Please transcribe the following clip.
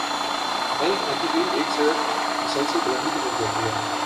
بل کھاتی ہوئی ایک سڑک مسلسل بلندی کی طرف جاتی ہے۔